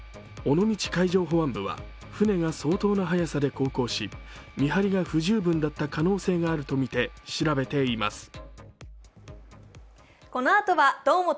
尾道海上保安部は船が相当な速さで航行し見張りが不十分だった可能性があるとみて調べています。